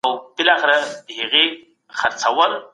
لويې جرګي به د معلولينو او معيوبينو د هوساينې پرېکړه کړي وي.